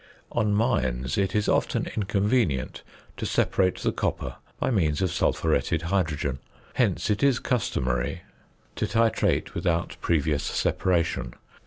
_ On mines it is often inconvenient to separate the copper by means of sulphuretted hydrogen; hence it is customary to titrate without previous separation.